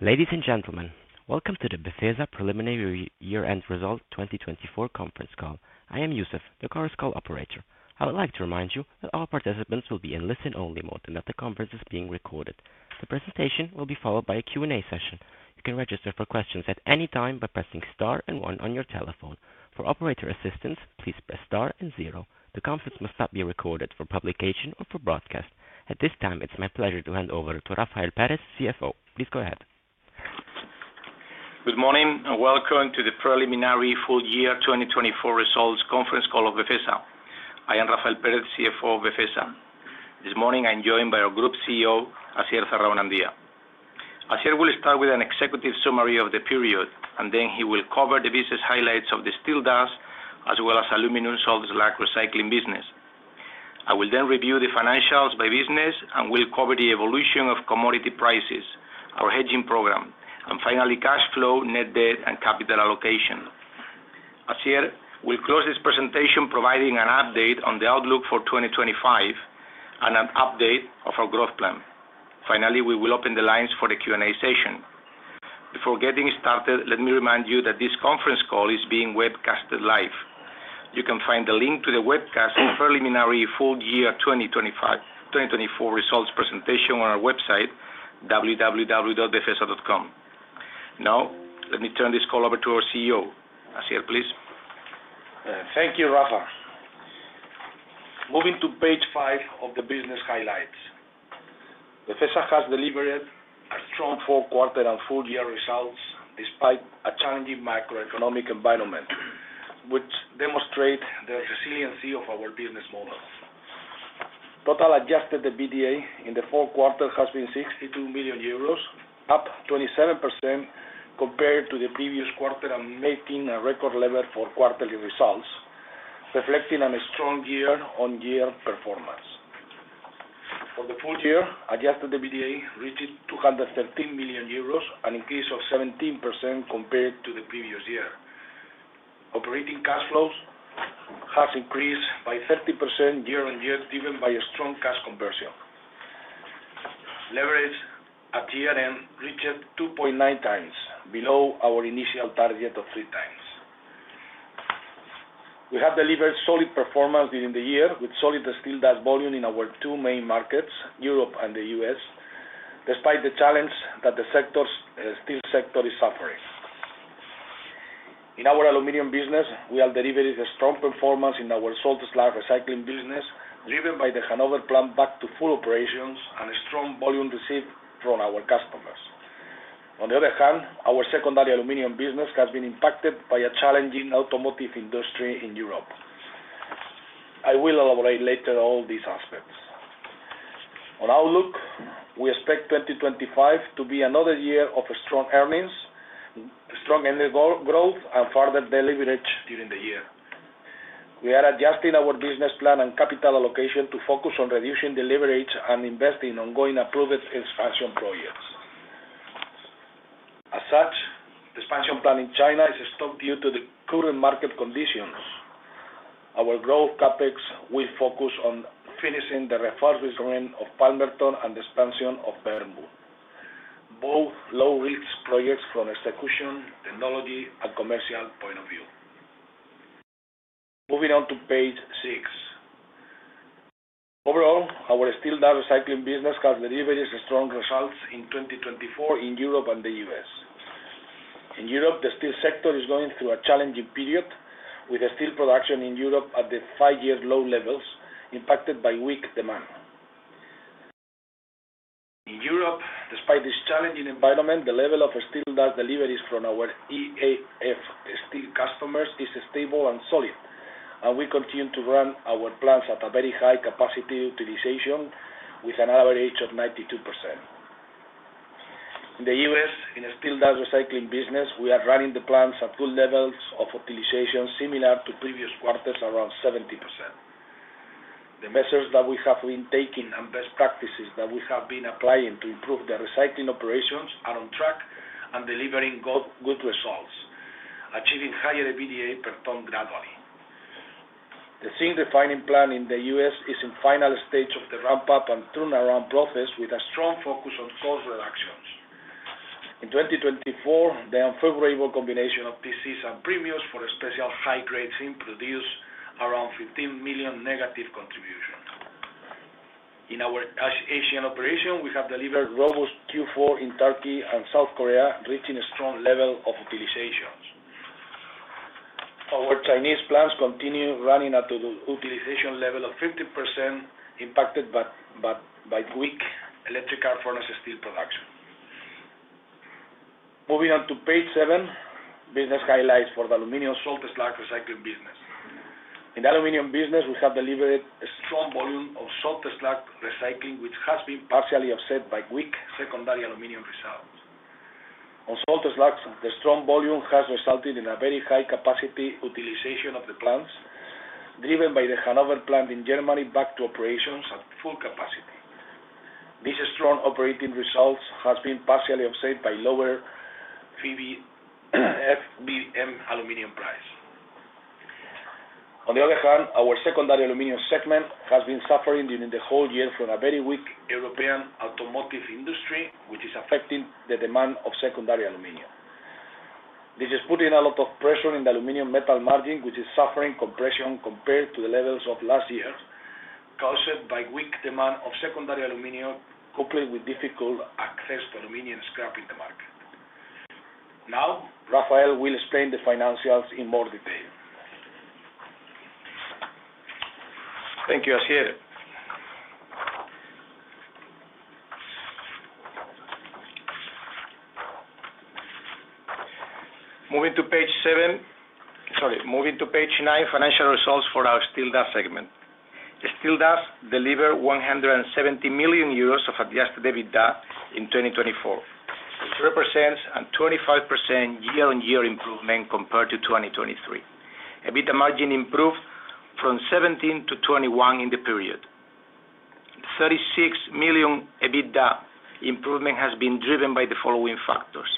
Ladies and gentlemen, welcome to the Befesa Preliminary Year-End Result 2024 Conference Call. I am Youssef, the conference call operator. I would like to remind you that all participants will be in listen-only mode and that the conference is being recorded. The presentation will be followed by a Q&A session. You can register for questions at any time by pressing star and one on your telephone. For operator assistance, please press star and zero. The conference must not be recorded for publication or for broadcast. At this time, it's my pleasure to hand over to Rafael Pérez, CFO. Please go ahead. Good morning and welcome to the Preliminary Full Year 2024 Results Conference Call of Befesa. I am Rafael Pérez, CFO of Befesa. This morning, I'm joined by our Group CEO, Asier Zarraonandia. Asier will start with an executive summary of the period, and then he will cover the business highlights of the steel dust, as well as aluminum salt slag recycling business. I will then review the financials by business and will cover the evolution of commodity prices, our hedging program, and finally, cash flow, net debt, and capital allocation. Asier will close this presentation providing an update on the outlook for 2025 and an update of our growth plan. Finally, we will open the lines for the Q&A session. Before getting started, let me remind you that this conference call is being webcasted live. You can find the link to the webcast Preliminary Full Year 2024 Results presentation on our website, www.befesa.com. Now, let me turn this call over to our CEO. Asier, please. Thank you, Rafa. Moving to page five of the business highlights. Befesa has delivered a strong fourth quarter and full year results despite a challenging macroeconomic environment, which demonstrates the resiliency of our business model. Total Adjusted EBITDA in the fourth quarter has been 62 million euros, up 27% compared to the previous quarter, making a record level for quarterly results, reflecting a strong year-on-year performance. For the full year, Adjusted EBITDA reached 213 million euros, an increase of 17% compared to the previous year. Operating cash flows have increased by 30% year-on-year, driven by a strong cash conversion. Leverage at year-end reached 2.9x, below our initial target of 3x. We have delivered solid performance during the year, with solid steel dust volume in our two main markets, Europe and the U.S., despite the challenge that the steel sector is suffering. In our aluminum business, we have delivered a strong performance in our salt slags recycling business, driven by the Hannover plant back to full operations and strong volume received from our customers. On the other hand, our secondary aluminum business has been impacted by a challenging automotive industry in Europe. I will elaborate later on all these aspects. On outlook, we expect 2025 to be another year of strong earnings, strong annual growth, and further delivery during the year. We are adjusting our business plan and capital allocation to focus on reducing delivery and investing in ongoing approved expansion projects. As such, the expansion plan in China is stopped due to the current market conditions. Our growth CapEx will focus on finishing the refurbishment of Palmerton and the expansion of Bernburg, both low-risk projects from an execution, technology, and commercial point of view. Moving on to page six. Overall, our steel dust recycling business has delivered strong results in 2024 in Europe and the U.S. In Europe, the steel sector is going through a challenging period, with steel production in Europe at the five-year low levels impacted by weak demand. In Europe, despite this challenging environment, the level of steel dust delivery from our EAF steel customers is stable and solid, and we continue to run our plants at a very high capacity utilization with an average of 92%. In the U.S., in the steel dust recycling business, we are running the plants at good levels of utilization, similar to previous quarters, around 70%. The measures that we have been taking and best practices that we have been applying to improve the recycling operations are on track and delivering good results, achieving higher EBITDA per ton gradually. The zinc refining plant in the US is in the final stage of the ramp-up and turnaround process, with a strong focus on cost reductions. In 2024, the unfavorable combination of TCs and premiums for Special High Grade produced around 15 million negative contribution. In our Asian operation, we have delivered robust Q4 in Turkey and South Korea, reaching a strong level of utilization. Our Chinese plants continue running at an utilization level of 50%, impacted by weak electric arc furnaces steel production. Moving on to page seven, business highlights for the aluminum salt slag recycling business. In the aluminum business, we have delivered a strong volume of salt slag recycling, which has been partially offset by weak secondary aluminum results. On salt slags, the strong volume has resulted in a very high capacity utilization of the plants, driven by the Hannover plant in Germany back to operations at full capacity. This strong operating result has been partially offset by lower FMB aluminum price. On the other hand, our secondary aluminum segment has been suffering during the whole year from a very weak European automotive industry, which is affecting the demand of secondary aluminum. This is putting a lot of pressure on the aluminum metal margin, which is suffering compression compared to the levels of last year, caused by weak demand of secondary aluminum, coupled with difficult access to aluminum scrap in the market. Now, Rafael will explain the financials in more detail. Thank you, Asier. Moving to page seven, sorry, moving to page nine, financial results for our steel dust segment. Steel dust delivered 170 million euros of Adjusted EBITDA in 2024. This represents a 25% year-on-year improvement compared to 2023. EBITDA margin improved from 17%-21% in the period. The 36 million EBITDA improvement has been driven by the following factors.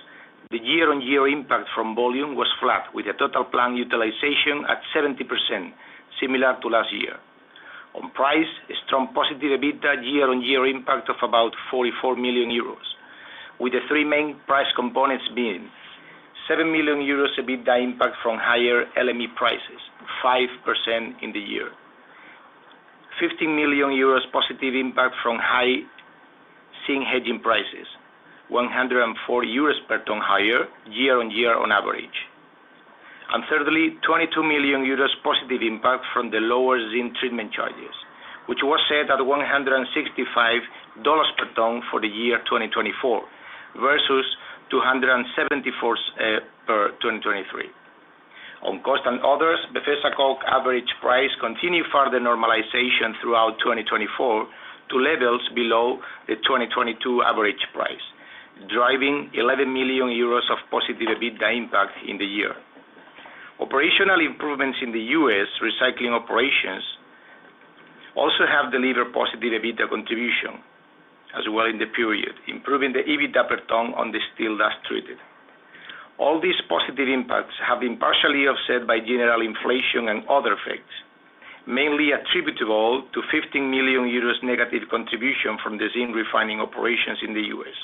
The year-on-year impact from volume was flat, with a total plant utilization at 70%, similar to last year. On price, a strong positive EBITDA year-on-year impact of about 44 million euros, with the three main price components being: 7 million euros EBITDA impact from higher LME prices, 5% in the year. 15 million euros positive impact from high zinc hedging prices, 140 euros per ton higher, year-on-year on average. And thirdly, 22 million euros positive impact from the lower zinc treatment charges, which was set at $165 per ton for the year 2024 versus $274 per 2023. On costs and others, Befesa coke average price continued further normalization throughout 2024 to levels below the 2022 average price, driving 11 million euros of positive EBITDA impact in the year. Operational improvements in the U.S. recycling operations also have delivered positive EBITDA contribution as well in the period, improving the EBITDA per ton on the steel dust treated. All these positive impacts have been partially offset by general inflation and other effects, mainly attributable to 15 million euros negative contribution from the zinc refining operations in the U.S.,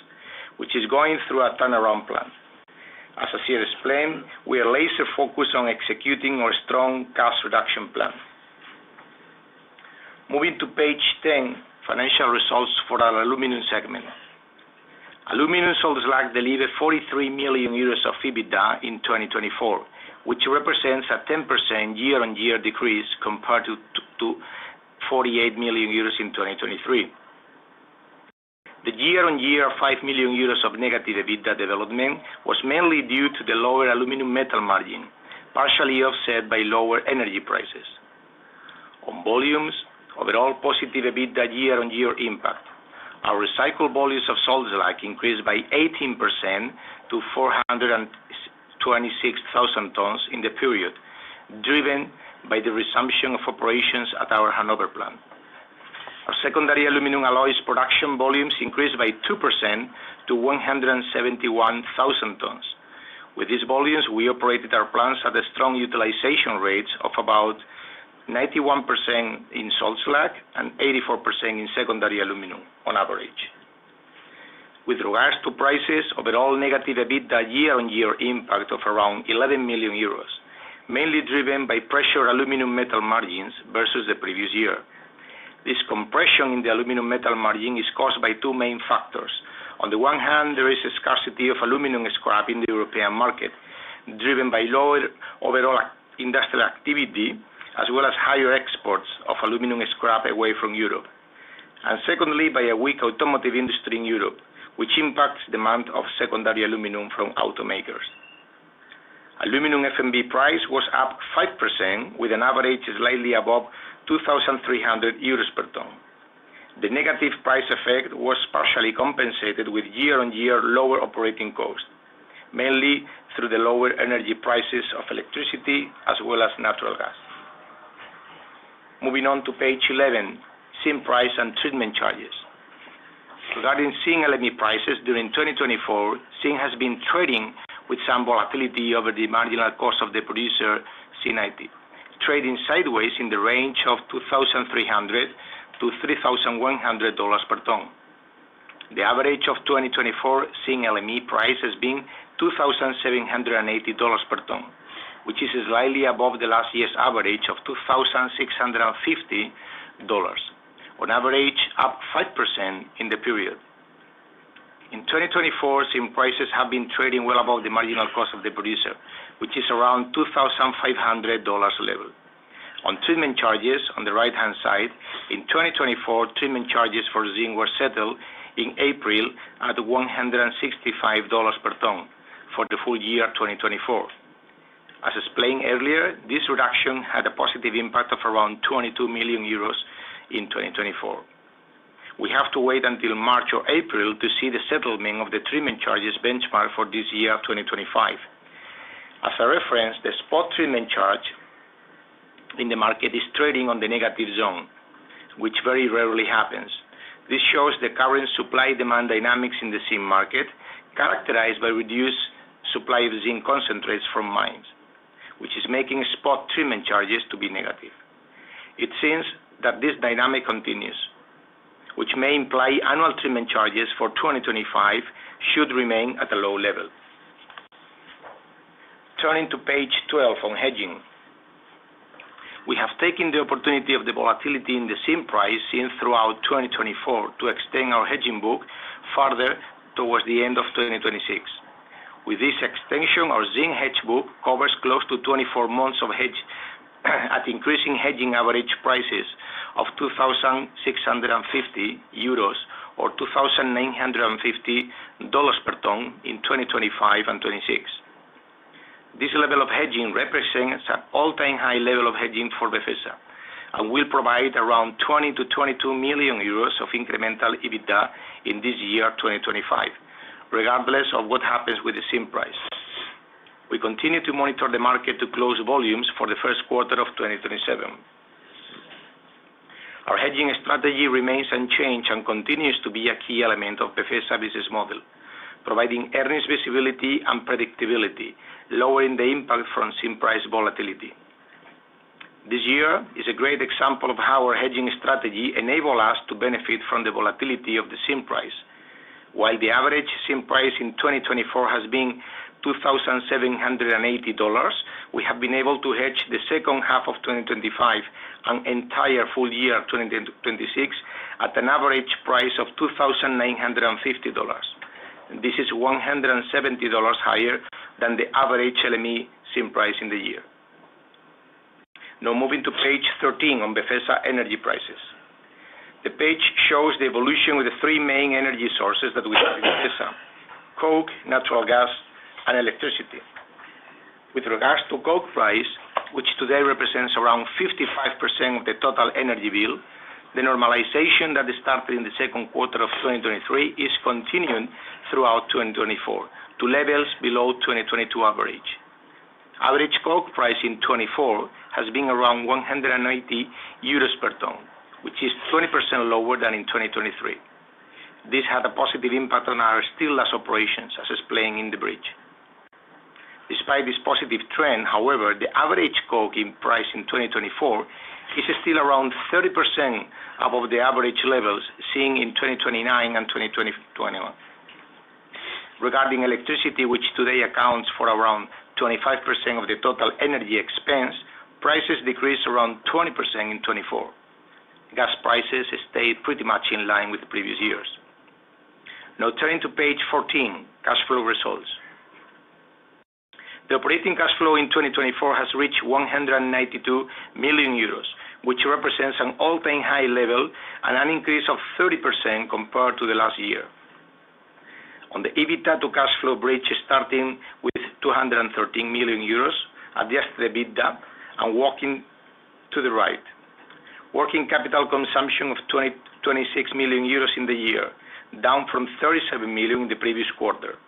which is going through a turnaround plan. As Asier explained, we are laser-focused on executing our strong cash reduction plan. Moving to page 10, financial results for our aluminum segment. Aluminum salt slags delivered 43 million euros of EBITDA in 2024, which represents a 10% year-on-year decrease compared to 48 million euros in 2023. The year-on-year 5 million euros of negative EBITDA development was mainly due to the lower aluminum metal margin, partially offset by lower energy prices. On volumes, overall positive EBITDA year-on-year impact. Our recycled volumes of salt slags increased by 18% to 426,000 tons in the period, driven by the resumption of operations at our Hannover plant. Our secondary aluminum alloys production volumes increased by 2% to 171,000 tons. With these volumes, we operated our plants at a strong utilization rate of about 91% in salt slags and 84% in secondary aluminum on average. With regards to prices, overall negative EBITDA year-on-year impact of around 11 million euros, mainly driven by pressure aluminum metal margins versus the previous year. This compression in the aluminum metal margin is caused by two main factors. On the one hand, there is a scarcity of aluminum scrap in the European market, driven by lower overall industrial activity, as well as higher exports of aluminum scrap away from Europe, and secondly, by a weak automotive industry in Europe, which impacts the demand of secondary aluminum from automakers. Aluminum FMB price was up 5%, with an average slightly above 2,300 euros per ton. The negative price effect was partially compensated with year-on-year lower operating cost, mainly through the lower energy prices of electricity as well as natural gas. Moving on to page 11, zinc price and treatment charges. Regarding zinc LME prices during 2024, zinc has been trading with some volatility over the marginal cost of the producer zinc TC, trading sideways in the range of $2,300-$3,100 per ton. The average of 2024 zinc LME price has been $2,780 per ton, which is slightly above the last year's average of $2,650, on average up 5% in the period. In 2024, zinc prices have been trading well above the marginal cost of the producer, which is around $2,500 level. On treatment charges, on the right-hand side, in 2024, treatment charges for zinc were settled in April at $165 per ton for the full year 2024. As explained earlier, this reduction had a positive impact of around 22 million euros in 2024. We have to wait until March or April to see the settlement of the treatment charges benchmark for this year of 2025. As a reference, the spot treatment charge in the market is trading on the negative zone, which very rarely happens. This shows the current supply-demand dynamics in the zinc market, characterized by reduced supply of zinc concentrates from mines, which is making spot treatment charges to be negative. It seems that this dynamic continues, which may imply annual treatment charges for 2025 should remain at a low level. Turning to page 12 on hedging, we have taken the opportunity of the volatility in the zinc price seen throughout 2024 to extend our hedging book further towards the end of 2026. With this extension, our zinc hedge book covers close to 24 months of hedge at increasing hedging average prices of 2,650 euros or $2,950 per ton in 2025 and 2026. This level of hedging represents an all-time high level of hedging for Befesa and will provide around 20 million-22 million euros of incremental EBITDA in this year 2025, regardless of what happens with the zinc price. We continue to monitor the market to close volumes for the first quarter of 2027. Our hedging strategy remains unchanged and continues to be a key element of Befesa's business model, providing earnings visibility and predictability, lowering the impact from zinc price volatility. This year is a great example of how our hedging strategy enabled us to benefit from the volatility of the zinc price. While the average zinc price in 2024 has been $2,780, we have been able to hedge the second half of 2025 and entire full year 2026 at an average price of $2,950. This is $170 higher than the average LME zinc price in the year. Now, moving to page 13 on Befesa energy prices. The page shows the evolution with the three main energy sources that we have in Befesa: coke, natural gas, and electricity. With regards to coke price, which today represents around 55% of the total energy bill, the normalization that started in the second quarter of 2023 is continuing throughout 2024 to levels below 2022 average. Average coke price in 2024 has been around 180 euros per ton, which is 20% lower than in 2023. This had a positive impact on our steel dust operations, as explained in the bridge. Despite this positive trend, however, the average coke price in 2024 is still around 30% above the average levels seen in 2019 and 2021. Regarding electricity, which today accounts for around 25% of the total energy expense, prices decreased around 20% in 2024. Gas prices stayed pretty much in line with previous years. Now, turning to page 14, cash flow results. The operating cash flow in 2024 has reached 192 million euros, which represents an all-time high level and an increase of 30% compared to the last year. On the EBITDA to cash flow bridge, starting with 213 million euros Adjusted EBITDA and walking to the right, working capital consumption of 26 million euros in the year, down from 37 million in the previous quarter.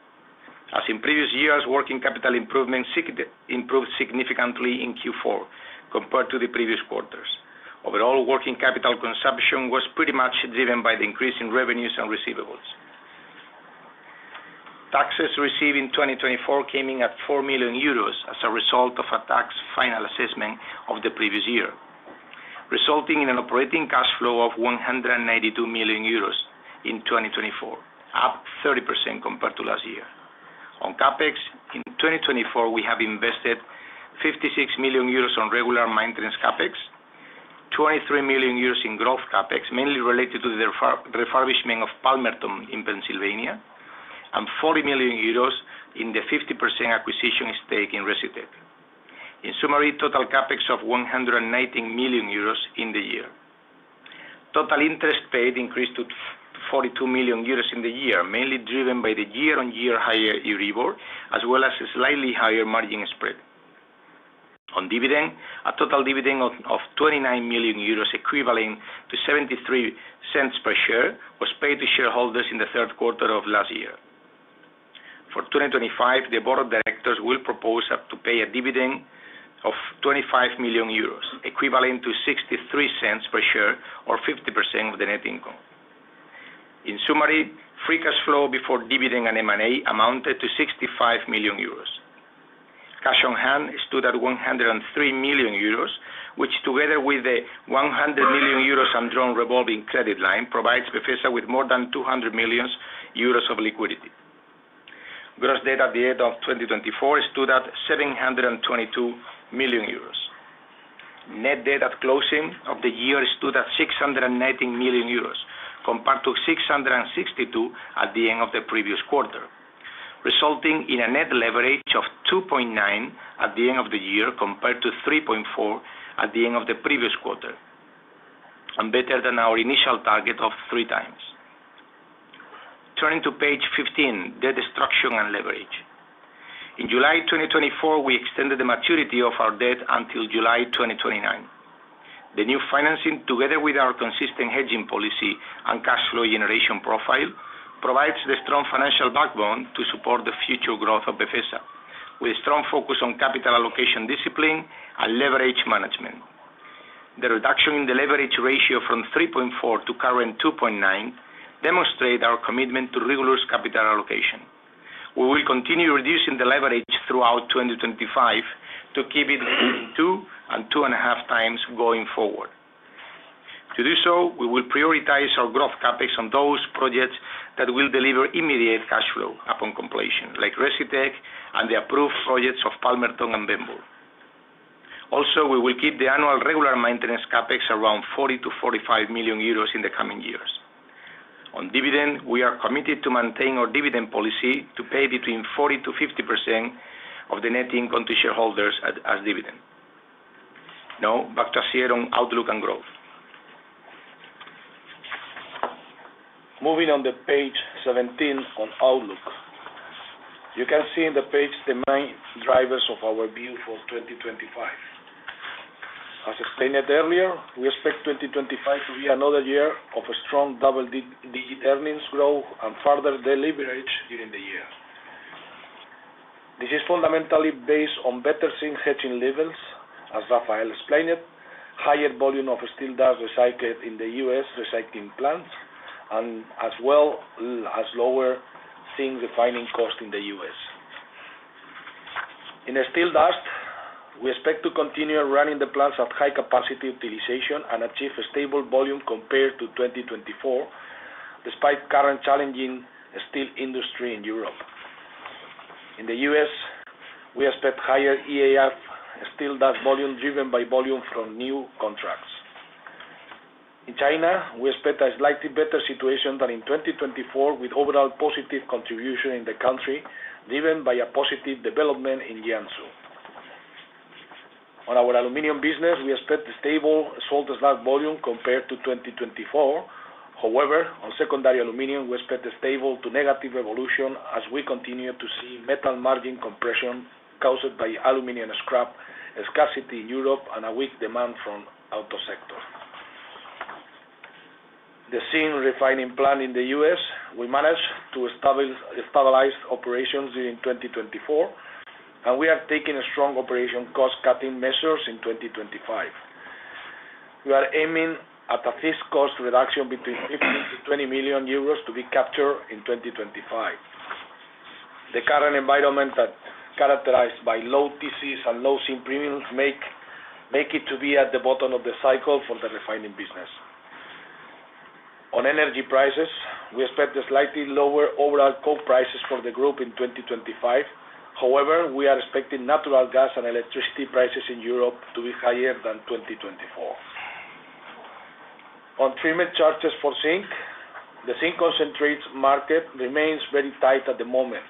As in previous years, working capital improvement improved significantly in Q4 compared to the previous quarters. Overall, working capital consumption was pretty much driven by the increase in revenues and receivables. Taxes received in 2024 came in at 4 million euros as a result of a tax final assessment of the previous year, resulting in an operating cash flow of 192 million euros in 2024, up 30% compared to last year. On CapEx, in 2024, we have invested 56 million euros on regular maintenance CapEx, 23 million euros in growth CapEx, mainly related to the refurbishment of Palmerton in Pennsylvania, and 40 million euros in the 50% acquisition stake in Recytech. In summary, total CapEx of 118 million euros in the year. Total interest paid increased to 42 million euros in the year, mainly driven by the year-on-year higher EURIBOR, as well as a slightly higher margin spread. On dividend, a total dividend of 29 million euros equivalent to 0.73 EUR per share was paid to shareholders in the third quarter of last year. For 2025, the board of directors will propose to pay a dividend of 25 million euros equivalent to 0.63 EUR per share or 50% of the net income. In summary, free cash flow before dividend and M&A amounted to 65 million euros. Cash on hand stood at 103 million euros, which together with the 100 million euros undrawn revolving credit line provides Befesa with more than 200 million euros of liquidity. Gross debt at the end of 2024 stood at 722 million euros. Net debt at closing of the year stood at 619 million euros compared to 662 at the end of the previous quarter, resulting in a net leverage of 2.9 at the end of the year compared to 3.4 at the end of the previous quarter, and better than our initial target of3x. Turning to page 15, debt reduction and leverage. In July 2024, we extended the maturity of our debt until July 2029. The new financing, together with our consistent hedging policy and cash flow generation profile, provides the strong financial backbone to support the future growth of Befesa, with a strong focus on capital allocation discipline and leverage management. The reduction in the leverage ratio from 3.4 to current 2.9 demonstrates our commitment to rigorous capital allocation. We will continue reducing the leverage throughout 2025 to keep it between 2x and 2.5x going forward. To do so, we will prioritize our growth CapEx on those projects that will deliver immediate cash flow upon completion, like Resitec and the approved projects of Palmerton and Bernburg. Also, we will keep the annual regular maintenance CapEx around 40 million-45 million euros in the coming years. On dividend, we are committed to maintain our dividend policy to pay between 40%-50% of the net income to shareholders as dividend. Now, back to Asier on outlook and growth. Moving on to page 17 on outlook, you can see in the page the main drivers of our view for 2025. As explained earlier, we expect 2025 to be another year of strong double-digit earnings growth and further deleveraging during the year. This is fundamentally based on better zinc hedging levels, as Rafael explained, as well as lower zinc refining cost in the US. In steel dust, we expect to continue running the plants at high capacity utilization and achieve a stable volume compared to 2024, despite current challenging steel industry in Europe. In the US, we expect higher EAF steel dust volume driven by volume from new contracts. In China, we expect a slightly better situation than in 2024, with overall positive contribution in the country driven by a positive development in Jiangsu. On our aluminum business, we expect a stable salt and slag volume compared to 2024. However, on secondary aluminum, we expect a stable to negative evolution as we continue to see metal margin compression caused by aluminum scrap scarcity in Europe and a weak demand from the auto sector. The zinc refining plant in the US, we managed to stabilize operations during 2024, and we are taking strong operation cost-cutting measures in 2025. We are aiming at a fixed cost reduction between 15 million-20 million euros to be captured in 2025. The current environment characterized by low TCs and low zinc premiums makes it to be at the bottom of the cycle for the refining business. On energy prices, we expect a slightly lower overall coke prices for the group in 2025. However, we are expecting natural gas and electricity prices in Europe to be higher than 2024. On treatment charges for zinc, the zinc concentrate market remains very tight at the moment,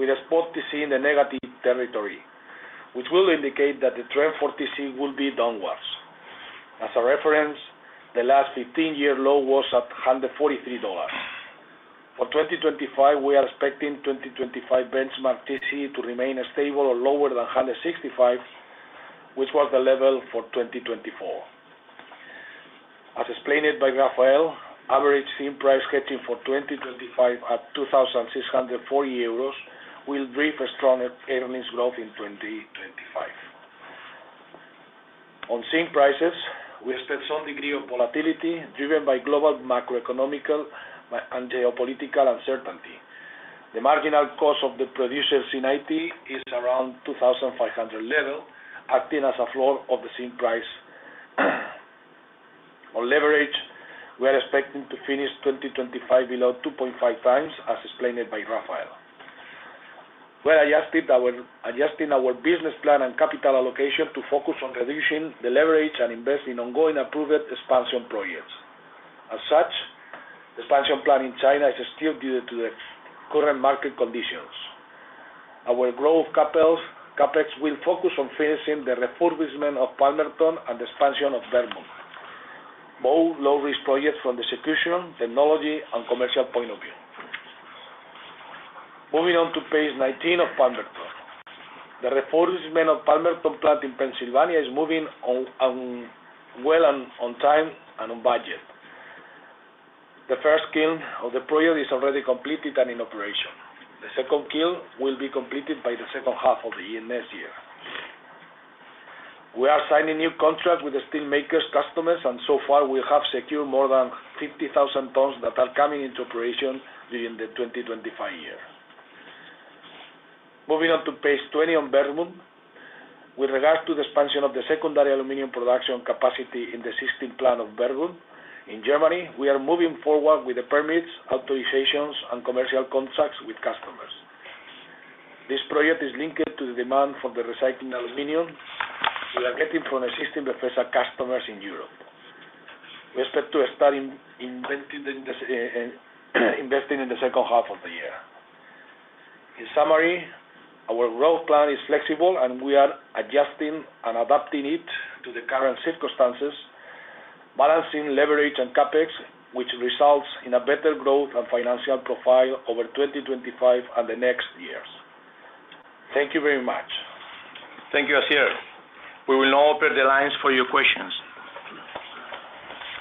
with a spot TC in the negative territory, which will indicate that the trend for TC will be downwards. As a reference, the last 15-year low was at $143. For 2025, we are expecting 2025 benchmark TC to remain stable or lower than $165, which was the level for 2024. As explained by Rafael, average zinc price hedging for 2025 at 2,640 euros will drive strong earnings growth in 2025. On zinc prices, we expect some degree of volatility driven by global macroeconomic and geopolitical uncertainty. The marginal cost of the producer's C1 is around 2,500 level, acting as a floor of the zinc price. On leverage, we are expecting to finish 2025 below 2.5x, as explained by Rafael. We are adjusting our business plan and capital allocation to focus on reducing the leverage and invest in ongoing approved expansion projects. As such, the expansion plan in China is still due to the current market conditions. Our growth CapEx will focus on finishing the refurbishment of Palmerton and the expansion of Bernburg, both low-risk projects from the execution, technology, and commercial point of view. Moving on to page 19 of Palmerton. The refurbishment of Palmerton plant in Pennsylvania is moving well on time and on budget. The first kiln of the project is already completed and in operation. The second kiln will be completed by the second half of the next year. We are signing new contracts with the steel makers' customers, and so far, we have secured more than 50,000 tons that are coming into operation during the 2025 year. Moving on to page 20 on Bernburg. With regards to the expansion of the secondary aluminum production capacity in the Befesa plant in Bernburg, in Germany, we are moving forward with the permits, authorizations, and commercial contracts with customers. This project is linked to the demand for the recycling aluminum we are getting from existing Befesa customers in Europe. We expect to start investing in the second half of the year. In summary, our growth plan is flexible, and we are adjusting and adapting it to the current circumstances, balancing leverage and CapEx, which results in a better growth and financial profile over 2025 and the next years. Thank you very much. Thank you, Asier. We will now open the lines for your questions.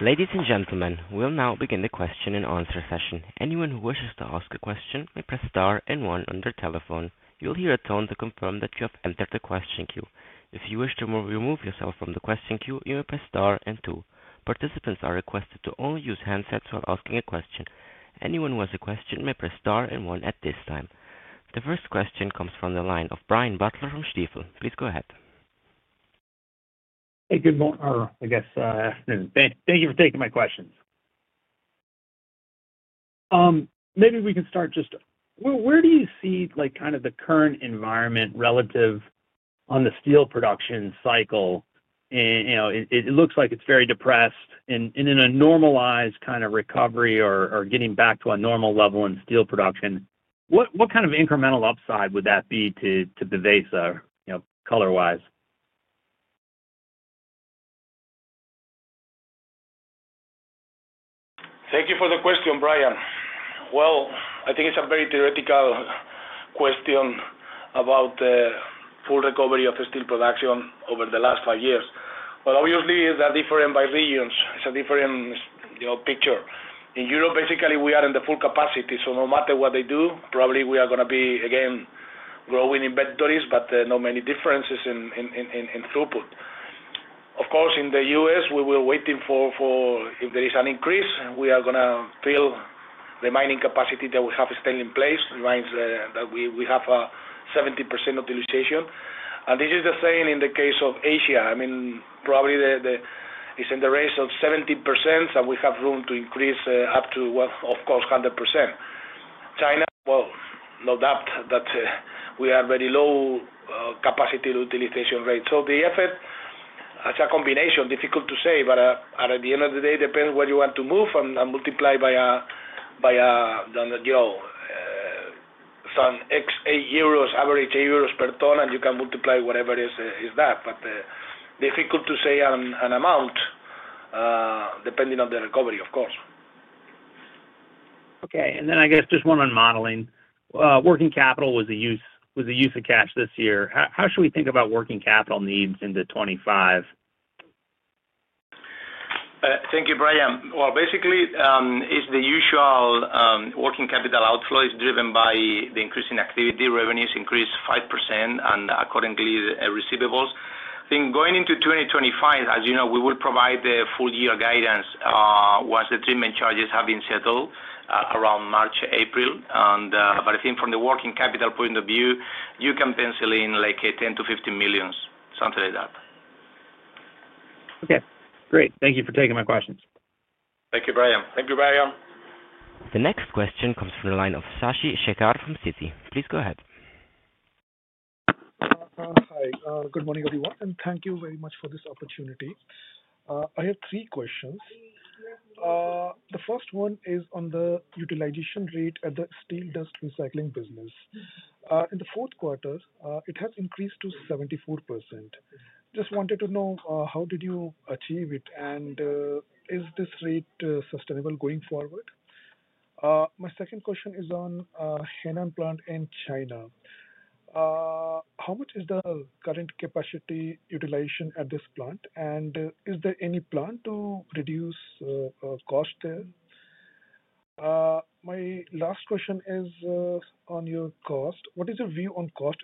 Ladies and gentlemen, we will now begin the question-and-answer session. Anyone who wishes to ask a question may press star and one on their telephone. You'll hear a tone to confirm that you have entered the question queue. If you wish to remove yourself from the question queue, you may press star and two. Participants are requested to only use handsets while asking a question. Anyone who has a question may press star and one at this time. The first question comes from the line of Brian Butler from Stifel. Please go ahead. Hey, good morning, or I guess, afternoon. Thank you for taking my questions. Maybe we can start just, where do you see kind of the current environment relative on the steel production cycle? It looks like it's very depressed and in a normalized kind of recovery or getting back to a normal level in steel production. What kind of incremental upside would that be to Befesa, color-wise? Thank you for the question, Brian. I think it's a very theoretical question about the full recovery of the steel production over the last five years. Obviously, it's different by regions. It's a different picture. In Europe, basically, we are in the full capacity. So no matter what they do, probably we are going to be, again, growing inventories, but not many differences in throughput. Of course, in the U.S., we will be waiting for if there is an increase, we are going to fill the mining capacity that we have still in place. It reminds me that we have a 70% utilization. This is the same in the case of Asia. I mean, probably it's in the range of 70%, and we have room to increase up to, well, of course, 100%. China, no doubt that we have very low capacity utilization rate. So the effort, it's a combination, difficult to say, but at the end of the day, it depends where you want to move and multiply by some average 8 euros per ton, and you can multiply whatever is that. But difficult to say an amount depending on the recovery, of course. Okay. And then I guess just one on modeling. Working capital was the use of cash this year. How should we think about working capital needs into 2025? Thank you, Brian. Well, basically, the usual working capital outflow is driven by the increasing activity. Revenues increased 5%, and accordingly, the receivables. I think going into 2025, as you know, we will provide the full-year guidance once the treatment charges have been settled around March, April. But I think from the working capital point of view, you can pencil in like 10 million-15 million, something like that. Okay. Great. Thank you for taking my questions. Thank you, Brian. Thank you, Brian. The next question comes from the line of Shashank Shekhar from Citi. Please go ahead. Hi. Good morning, everyone, and thank you very much for this opportunity. I have three questions. The first one is on the utilization rate at the steel dust recycling business. In the fourth quarter, it has increased to 74%. Just wanted to know, how did you achieve it, and is this rate sustainable going forward? My second question is on Henan plant in China. How much is the current capacity utilization at this plant, and is there any plan to reduce cost there? My last question is on your cost. What is your view on cost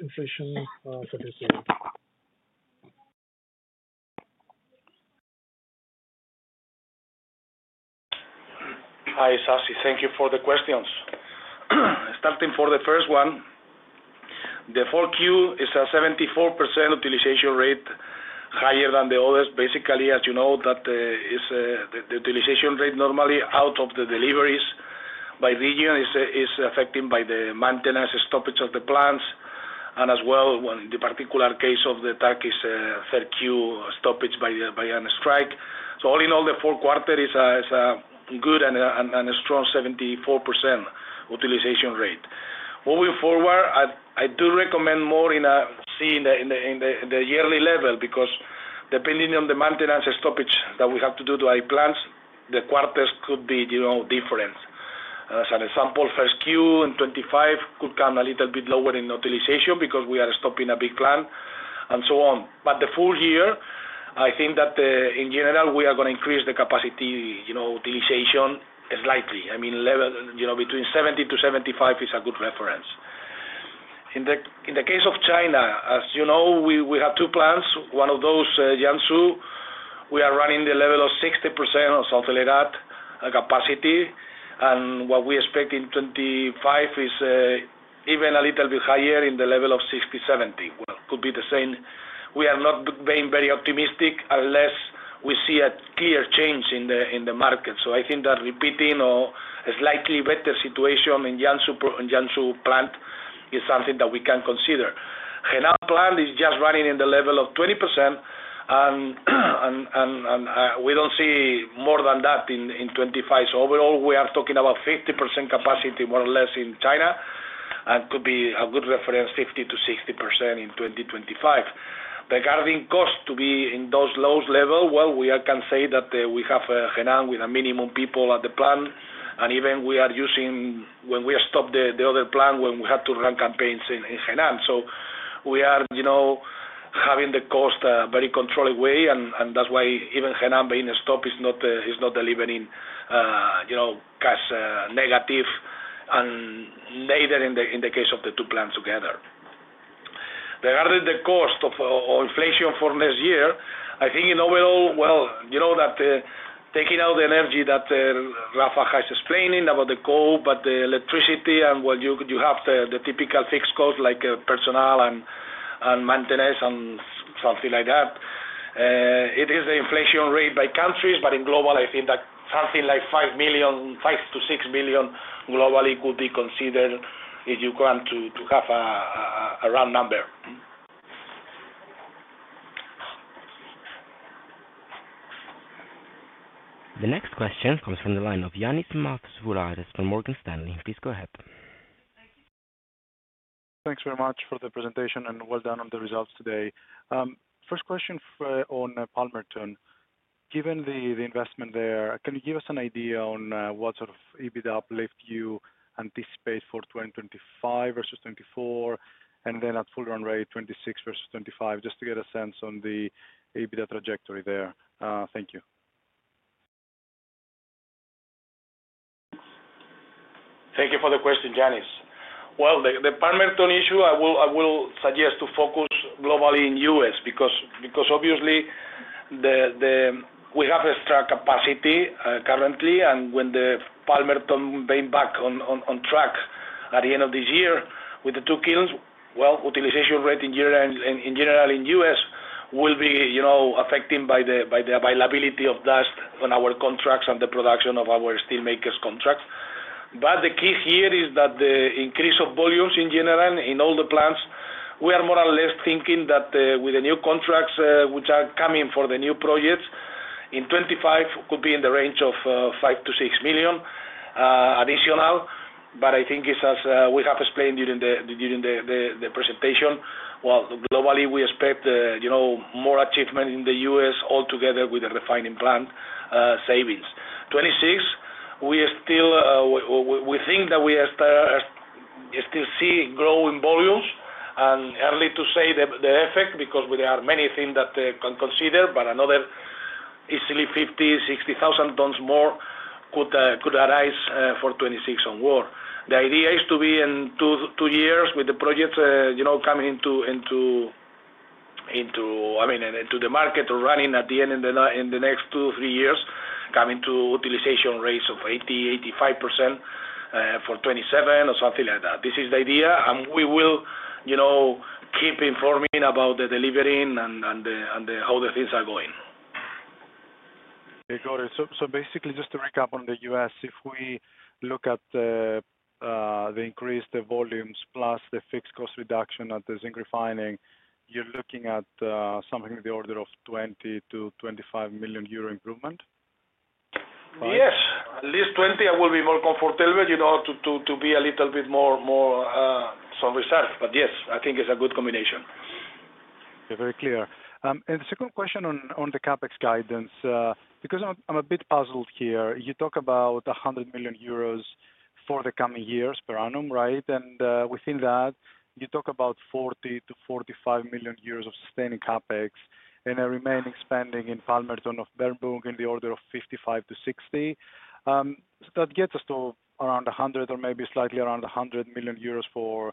inflation for this year? Hi, Shashank. Thank you for the questions. Starting for the first one, the Q4 is a 74% utilization rate, higher than the others. Basically, as you know, the utilization rate normally out of the deliveries by region is affected by the maintenance stoppage of the plants, and as well, in the particular case of the Turkish third Q stoppage by a strike. So all in all, the fourth quarter is a good and strong 74% utilization rate. Moving forward, I do recommend more to see it in the yearly level because depending on the maintenance stoppage that we have to do to our plants, the quarters could be different. As an example, first Q in 2025 could come a little bit lower in utilization because we are stopping a big plant and so on. But the full year, I think that in general, we are going to increase the capacity utilization slightly. I mean, 70%-75% is a good reference. In the case of China, as you know, we have two plants. One of those, Jiangsu, we are running the level of 60% or something like that capacity, and what we expect in 2025 is even a little bit higher in the level of 60%-70%, well, could be the same. We are not being very optimistic unless we see a clear change in the market, so I think that repeating or a slightly better situation in Jiangsu plant is something that we can consider. Henan plant is just running in the level of 20%, and we don't see more than that in 2025, so overall, we are talking about 50% capacity, more or less, in China, and could be a good reference, 50%-60% in 2025. Regarding costs to be in those low levels, well, we can say that we have Henan with a minimum people at the plant, and even we are using when we stop the other plant when we have to run campaigns in Henan. So we are having the costs in a very controlled way, and that's why even Henan being stopped is not delivering negative and neither in the case of the two plants together. Regarding the costs of inflation for next year, I think in overall, well, you know that taking out the energy that Rafael has explained about the coal, but the electricity and what you have the typical fixed costs like personnel and maintenance and something like that. It is the inflation rate by countries, but in global, I think that something like 5-6 million globally could be considered if you want to have a round number. The next question comes from the line of Ioannis Masvoulas from Morgan Stanley. Please go ahead. Thank you. Thanks very much for the presentation and well done on the results today. First question on Palmerton. Given the investment there, can you give us an idea on what sort of EBITDA uplift you anticipate for 2025 versus 2024, and then at full run rate 2026 versus 2025, just to get a sense on the EBITDA trajectory there? Thank you. Thank you for the question, Ioannis. The Palmerton issue, I will suggest to focus globally in the US because obviously, we have a strong capacity currently, and when the Palmerton being back on track at the end of this year with the two kilns, well, utilization rate in general in the US will be affected by the availability of dust on our contracts and the production of our steel makers' contracts. But the key here is that the increase of volumes in general in all the plants, we are more or less thinking that with the new contracts which are coming for the new projects, in 2025 could be in the range of 5 million-6 million additional. But I think it's as we have explained during the presentation, well, globally, we expect more achievement in the US altogether with the refining plant savings. 2026, we think that we still see growing volumes, and it's too early to say the effect because there are many things to consider, but another easily 50,000 tons, 60,000 tons more could arise for 2026 onward. The idea is to be in two years with the projects coming into, I mean, into the market or running at the end in the next two, three years, coming to utilization rates of 80%-85% for 2027 or something like that. This is the idea, and we will keep informing about the delivery and how the things are going. Okay. Got it. So basically, just to recap on the U.S., if we look at the increase, the volumes, plus the fixed cost reduction at the zinc refining, you're looking at something in the order of 20 million-25 million euro improvement? Yes. At least 20, I will be more comfortable to be a little bit more reserved. But yes, I think it's a good combination. Okay. Very clear. And the second question on the CapEx guidance, because I'm a bit puzzled here, you talk about 100 million euros for the coming years per annum, right? And within that, you talk about 40 million-45 million euros of sustaining CapEx and remaining spending in Palmerton and Bernburg in the order of 55 million-60 million. So that gets us to around 100 million or maybe slightly around 100 million euros for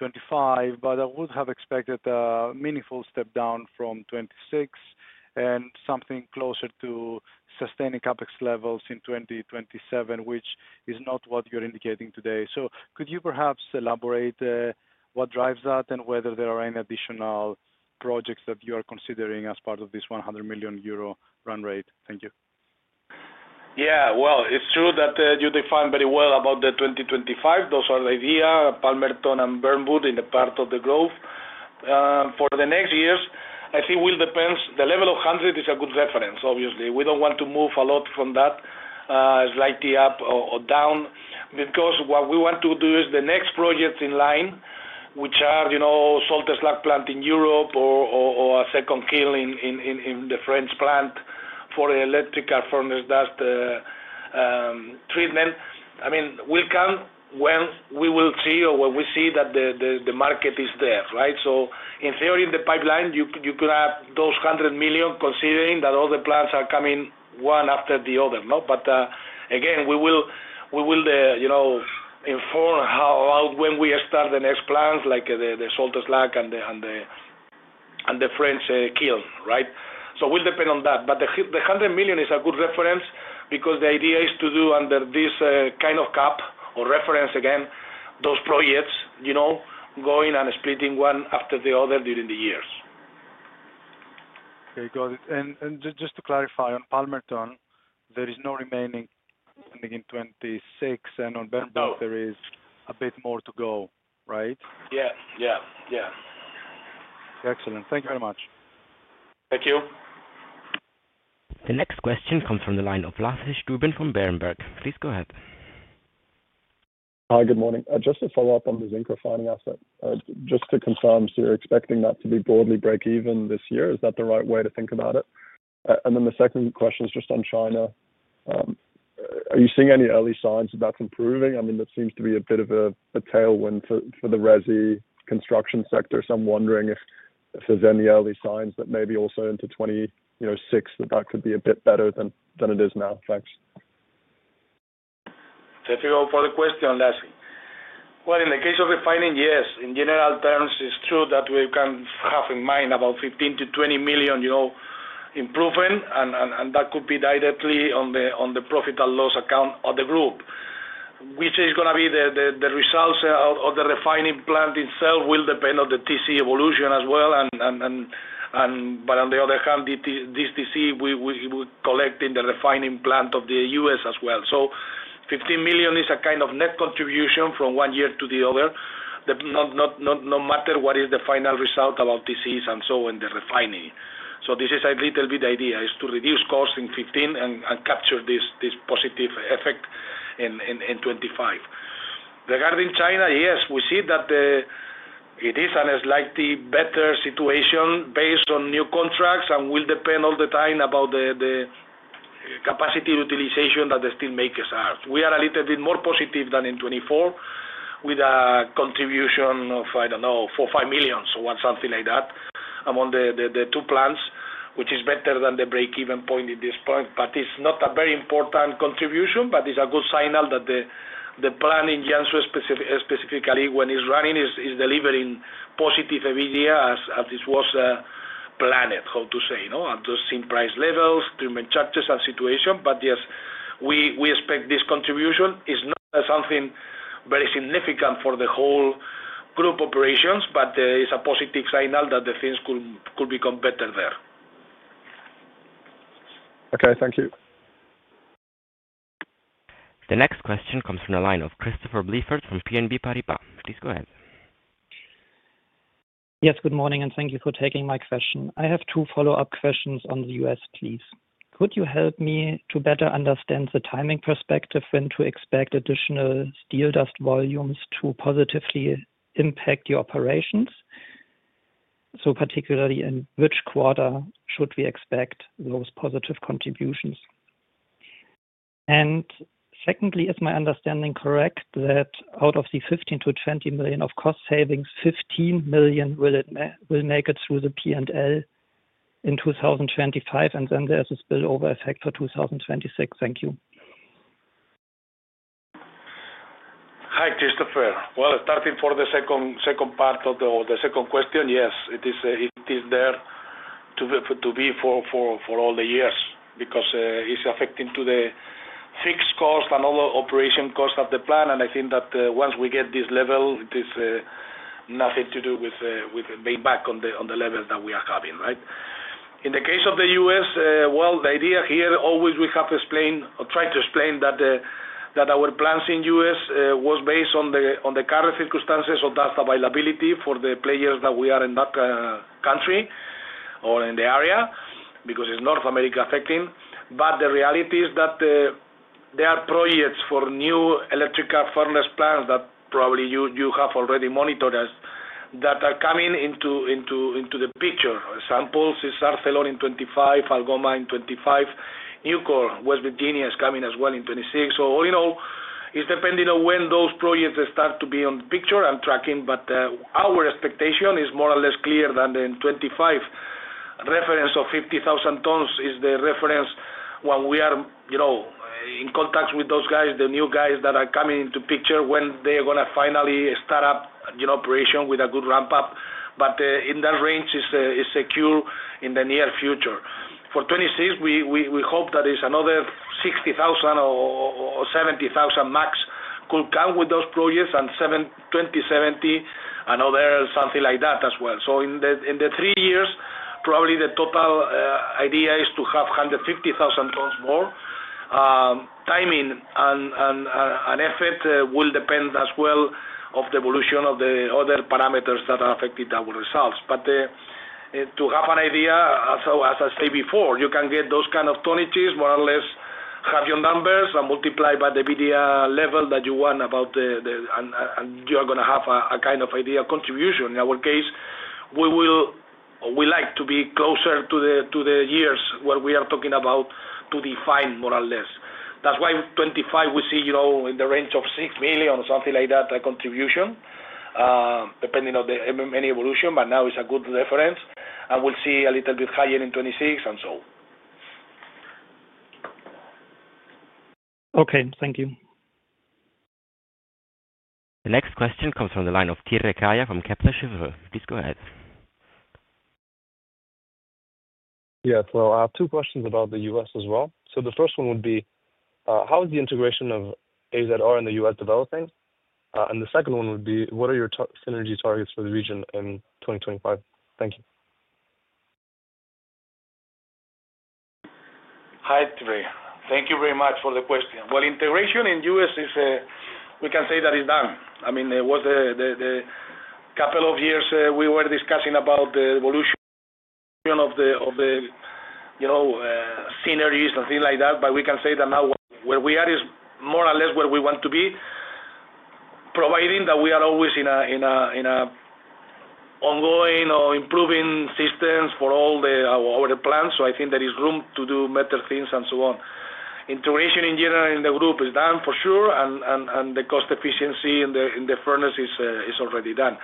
2025, but I would have expected a meaningful step down from 2026 and something closer to sustaining CapEx levels in 2027, which is not what you're indicating today. So could you perhaps elaborate what drives that and whether there are any additional projects that you are considering as part of this 100 million euro run rate? Thank you. Yeah. Well, it's true that you define very well about the 2025. Those are the idea, Palmerton and Bernburg in the part of the growth. For the next years, I think it will depend. The level of 100 is a good reference, obviously. We don't want to move a lot from that, slightly up or down, because what we want to do is the next projects in line, which are salt slag plant in Europe or a second kiln in the French plant for electrical furnace dust treatment. I mean, we'll come when we will see or when we see that the market is there, right? So in theory, in the pipeline, you could have those 100 million considering that all the plants are coming one after the other. But again, we will inform about when we start the next plants, like the salt slag and the French kiln, right? So it will depend on that. But the 100 million is a good reference because the idea is to do under this kind of cap or reference, again, those projects going and splitting one after the other during the years. Okay. Got it. And just to clarify, on Palmerton, there is no remaining in 2026, and on Bernburg, there is a bit more to go, right? Yeah. Yeah. Yeah. Excellent. Thank you very much. Thank you. The next question comes from the line of Lasse Stüben from Berenberg. Please go ahead. Hi. Good morning. Just to follow up on the zinc refining asset, just to confirm, so you're expecting that to be broadly break-even this year. Is that the right way to think about it? And then the second question is just on China. Are you seeing any early signs that that's improving? I mean, that seems to be a bit of a tailwind for the resi construction sector. So I'm wondering if there's any early signs that maybe also into 2026 that that could be a bit better than it is now. Thanks. Thank you for the question, Lasse. Well, in the case of refining, yes. In general terms, it's true that we can have in mind about 15 million-20 million improvement, and that could be directly on the profit and loss account of the group, which is going to be. The results of the refining plant itself will depend on the TC evolution as well. But on the other hand, this TC we will collect in the refining plant of the U.S. as well. So 15 million is a kind of net contribution from one year to the other, no matter what is the final result about TCs and so on in the refining. So this is a little bit idea is to reduce cost in 2015 and capture this positive effect in 2025. Regarding China, yes, we see that it is a slightly better situation based on new contracts and will depend all the time about the capacity utilization that the steel makers are. We are a little bit more positive than in 2024 with a contribution of, I don't know, 4 million-5 million, so something like that among the two plants, which is better than the break-even point at this point. But it's not a very important contribution, but it's a good signal that the plant in Jiangsu, specifically when it's running, is delivering positive EBITDA as it was planned, how to say, at the same price levels, treatment charges, and situation. But yes, we expect this contribution is not something very significant for the whole group operations, but it's a positive signal that the things could become better there. Okay. Thank you. The next question comes from the line of Christopher Blizzard from BNP Paribas. Please go ahead. Yes. Good morning, and thank you for taking my question. I have two follow-up questions on the U.S., please. Could you help me to better understand the timing perspective when to expect additional steel dust volumes to positively impact your operations? So particularly, in which quarter should we expect those positive contributions? And secondly, is my understanding correct that out of the 15 million-20 million of cost savings, 15 million will make it through the P&L in 2025, and then there's this spillover effect for 2026? Thank you. Hi, Christopher. Well, starting for the second part of the second question, yes, it is there to be for all the years because it's affecting to the fixed cost and all the operation costs of the plant. I think that once we get this level, it is nothing to do with being back on the level that we are having, right? In the case of the U.S., well, the idea here always we have to explain or try to explain that our plans in the U.S. were based on the current circumstances of dust availability for the players that we are in that country or in the area because it's North America affecting. The reality is that there are projects for new electric furnace plants that probably you have already monitored that are coming into the picture. Such as ArcelorMittal in 2025, Algoma in 2025, Nucor, West Virginia is coming as well in 2026. All in all, it's depending on when those projects start to be in the picture and tracking. Our expectation is more or less clear than in 2025. Reference of 50,000 tons is the reference when we are in contact with those guys, the new guys that are coming into the picture when they are going to finally start up operation with a good ramp-up. But in that range, it's secure in the near future. For 2026, we hope that it's another 60,000 or 70,000 max could come with those projects and 2027 and other something like that as well. So in the three years, probably the total idea is to have 150,000 tons more. Timing and effort will depend as well on the evolution of the other parameters that are affecting our results. But to have an idea, as I said before, you can get those kind of tonnages, more or less have your numbers and multiply by the EBITDA level that you want about the and you are going to have a kind of idea contribution. In our case, we like to be closer to the years where we are talking about to define more or less. That's why 2025 we see in the range of 6 million or something like that contribution, depending on the market evolution, but now it's a good reference. And we'll see a little bit higher in 2026 and so. Okay. Thank you. The next question comes from the line of Batıkan Kaya from Kepler Cheuvreux. Please go ahead. Yes. Well, I have two questions about the U.S. as well. So the first one would be, how is the integration of AZR in the U.S. developing? And the second one would be, what are your synergy targets for the region in 2025? Thank you. Hi, Batıkan. Thank you very much for the question. Well, integration in the U.S., we can say that it's done. I mean, it was the couple of years we were discussing about the evolution of the synergies and things like that, but we can say that now where we are is more or less where we want to be, providing that we are always in an ongoing or improving systems for all our plants. So I think there is room to do better things and so on. Integration in general in the group is done for sure, and the cost efficiency in the furnace is already done.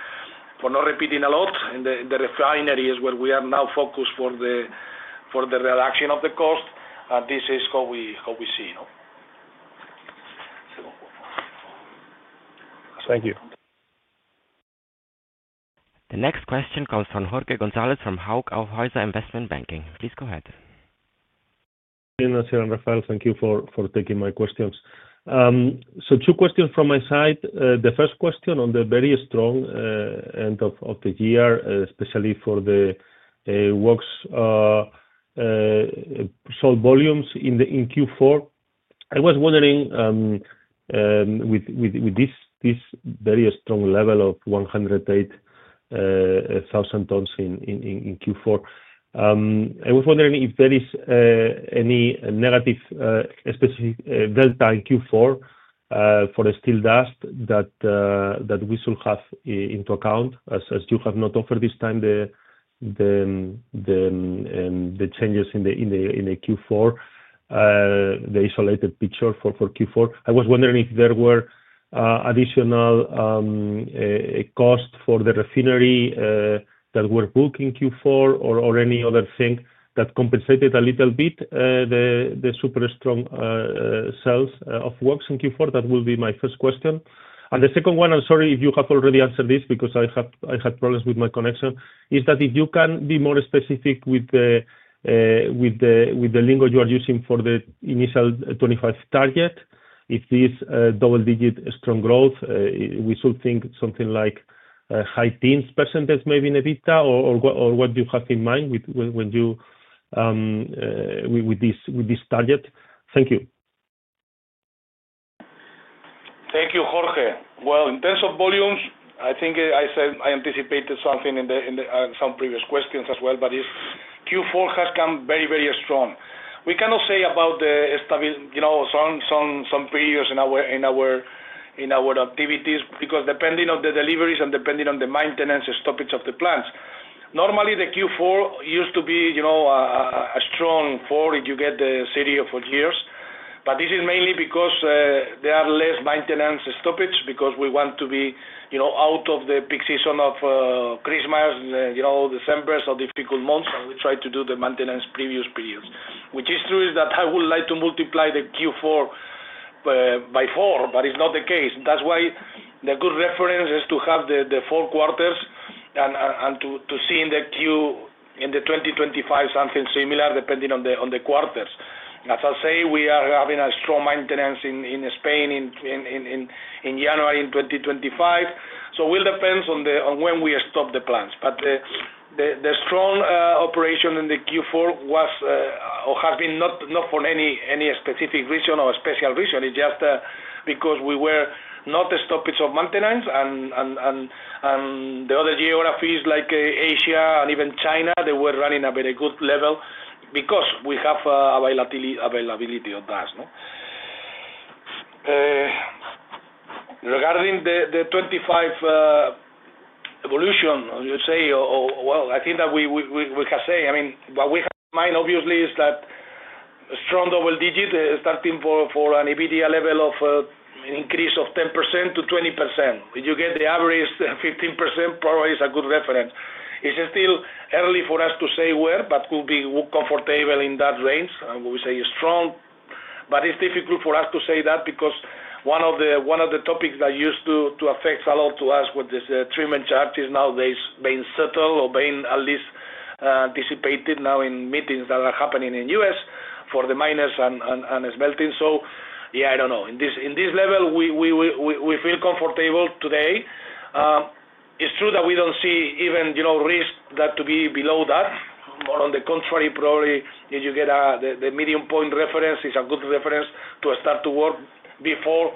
For not repeating a lot, the refinery is where we are now focused for the reduction of the cost, and this is how we see. Thank you. The next question comes from Jorge González from Hauck Aufhäuser Investment Banking. Please go ahead. Good evening, sir and Rafael. Thank you for taking my questions. So two questions from my side. The first question on the very strong end of the year, especially for the Waelz sold volumes in Q4. I was wondering, with this very strong level of 108,000 tons in Q4, I was wondering if there is any negative delta in Q4 for the steel dust that we should have into account, as you have not offered this time the charges in the Q4, the isolated picture for Q4. I was wondering if there were additional costs for the refinery that were booked in Q4 or any other thing that compensated a little bit the super strong sales of Waelz in Q4. That will be my first question. And the second one, I'm sorry if you have already answered this because I had problems with my connection, is that if you can be more specific with the lingo you are using for the initial 25 target, if this double-digit strong growth, we should think something like high teens % maybe in EBITDA or what do you have in mind with this target? Thank you. Thank you, Jorge. Well, in terms of volumes, I think I said I anticipated something in some previous questions as well, but Q4 has come very, very strong. We cannot say about some periods in our activities because depending on the deliveries and depending on the maintenance stoppage of the plants. Normally, the Q4 used to be a strong four if you get the series of four years. But this is mainly because there are less maintenance stoppage because we want to be out of the peak season of Christmas, December, so difficult months, and we try to do the maintenance previous periods. Which is true is that I would like to multiply the Q4 by four, but it's not the case. That's why the good reference is to have the four quarters and to see in the Q in the 2025 something similar depending on the quarters. As I say, we are having a strong maintenance in Spain in January in 2025. So it will depend on when we stop the plants. But the strong operation in the Q4 was or has been not for any specific reason or special reason. It's just because there was no stoppage for maintenance, and the other geographies like Asia and even China, they were running at a very good level because we have availability of dust. Regarding the 2025 evolution, you say, well, I think that we can say, I mean, what we have in mind, obviously, is that strong double-digit starting for an EBITDA level of an increase of 10%-20%. If you get the average 15%, probably it's a good reference. It's still early for us to say where, but we'll be comfortable in that range. We say strong, but it's difficult for us to say that because one of the topics that used to affect a lot to us with the treatment charges nowadays being settled or being at least anticipated now in meetings that are happening in the U.S. for the miners and smelters. So yeah, I don't know. In this level, we feel comfortable today. It's true that we don't see any risk that to be below that. More on the contrary, probably if you get the midpoint reference, it's a good reference to start to work before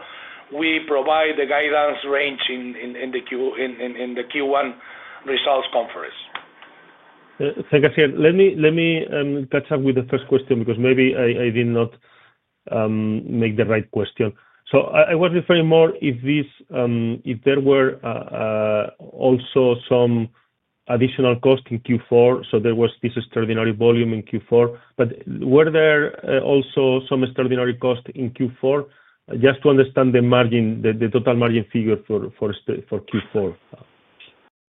we provide the guidance range in the Q1 results conference. Thank you, Asier. Let me catch up with the first question because maybe I did not ask the right question. So I was referring more if there were also some additional cost in Q4, so there was this extraordinary volume in Q4. But were there also some extraordinary cost in Q4? Just to understand the total margin figure for Q4.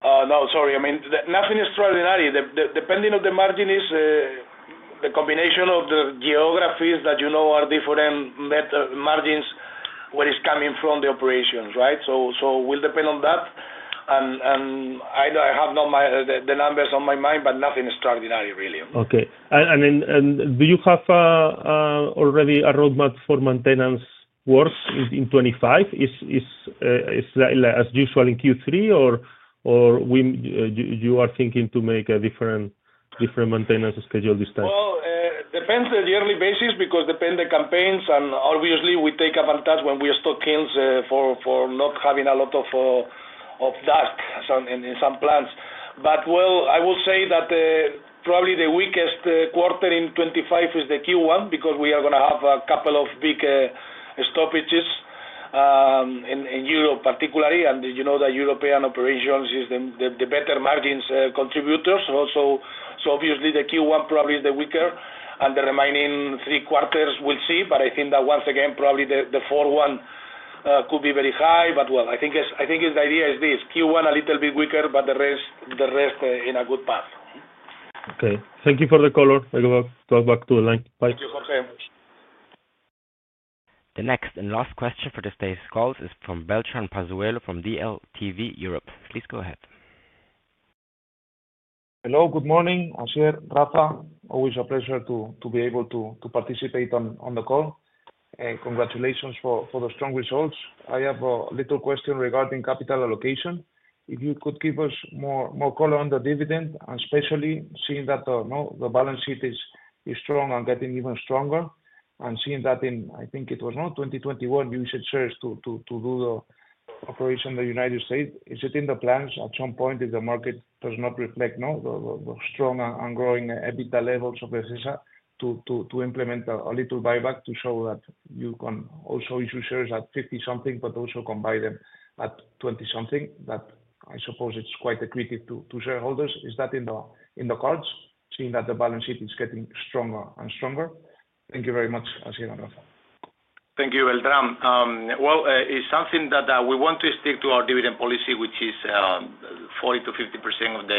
No, sorry. I mean, nothing extraordinary. The margin depends on the combination of the geographies that you know are different margins where it's coming from the operations, right? So it will depend on that. I have the numbers on my mind, but nothing extraordinary, really. Okay. Do you have already a roadmap for maintenance works in 2025? Is it as usual in Q3, or you are thinking to make a different maintenance schedule this time? Well, it depends on the yearly basis because depending on campaigns, and obviously, we take advantage when we have stoppages for not having a lot of dust in some plants. But well, I will say that probably the weakest quarter in 2025 is the Q1 because we are going to have a couple of big stoppages in Europe, particularly. And you know that European operations is the better margins contributors. So obviously, the Q1 probably is the weaker, and the remaining three quarters we'll see. But I think that once again, probably the fourth one could be very high. But well, I think the idea is this. Q1 a little bit weaker, but the rest in a good path. Okay. Thank you for the call. I will go back to the line. Bye. Thank you Jorge. The next and last question for today's call is from Beltrán Palazuelo from DLTV Europe. Please go ahead. Hello. Good morning, Asier, Rafa. Always a pleasure to be able to participate on the call. And congratulations for the strong results. I have a little question regarding capital allocation. If you could give us more color on the dividend, and especially seeing that the balance sheet is strong and getting even stronger, and seeing that in, I think it was 2021, you said sales to do the operation in the United States. Is it in the plans at some point if the market does not reflect the strong and growing EBITDA levels of Befesa to implement a little buyback to show that you can also issue shares at 50-something, but also can buy them at 20-something? That I suppose it's quite attractive to shareholders. Is that in the cards, seeing that the balance sheet is getting stronger and stronger? Thank you very much, Asier and Rafa. Thank you, Beltrán. It's something that we want to stick to our dividend policy, which is 40%-50% of the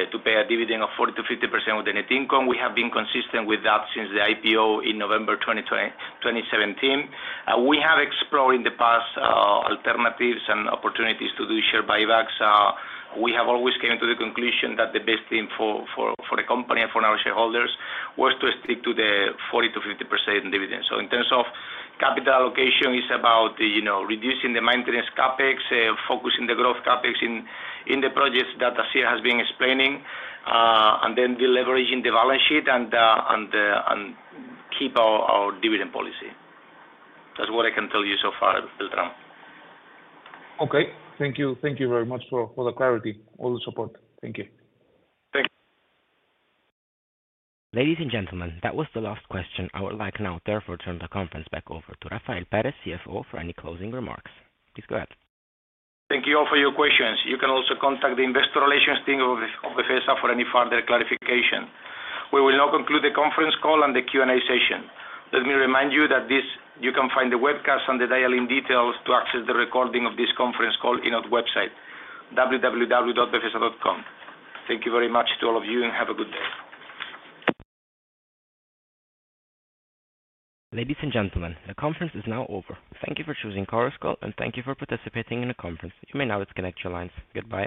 net income to pay a dividend of 40%-50% of the net income. We have been consistent with that since the IPO in November 2017. We have explored in the past alternatives and opportunities to do share buybacks. We have always come to the conclusion that the best thing for the company and for our shareholders was to stick to the 40%-50% dividend. So in terms of capital allocation, it's about reducing the maintenance CapEx, focusing the growth CapEx in the projects that Asier has been explaining, and then deleveraging the balance sheet and keep our dividend policy. That's what I can tell you so far, Beltrán. Okay. Thank you. Thank you very much for the clarity. All the support. Thank you. Thank you. Ladies and gentlemen, that was the last question. I would like now therefore to turn the conference back over to Rafael Pérez, CFO, for any closing remarks. Please go ahead. Thank you all for your questions. You can also contact the Investor Relations Team of Befesa for any further clarification. We will now conclude the conference call and the Q&A session. Let me remind you that you can find the webcast and the dial-in details to access the recording of this conference call in our website, www.befesa.com. Thank you very much to all of you, and have a good day. Ladies and gentlemen, the conference is now over. Thank you for choosing Chorus Call, and thank you for participating in the conference. You may now disconnect your lines. Goodbye.